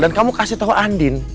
dan kamu kasih tau andin